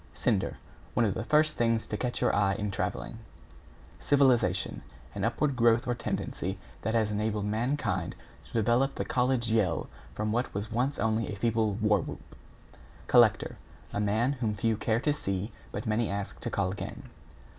=CINDER= One of the first things to catch your eye in travelling. =CIVILIZATION= An upward growth or tendency that has enabled mankind to develop the college yell from what was once only a feeble war whoop. =COLLECTOR= A man whom few care to see but many ask to call again.